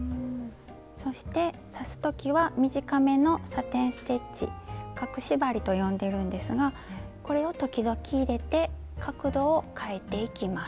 そして刺す時は短めのサテン・ステッチ「隠し針」と呼んでるんですがこれを時々入れて角度をかえていきます。